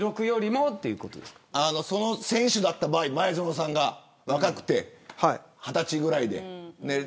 その選手だった場合前園さんが２０歳ぐらいで。